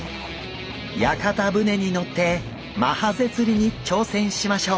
屋形船に乗ってマハゼ釣りに挑戦しましょう！